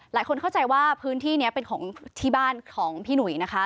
หลายคนเข้าใจว่าพื้นที่นี้เป็นของที่บ้านของพี่หนุ่ยนะคะ